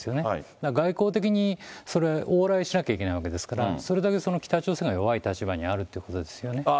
だから外交的にそれ往来しなきゃいけないわけですから、それだけその北朝鮮が弱い立場にあるということですよね。